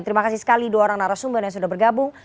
terima kasih sekali dua orang narasumber yang sudah bergabung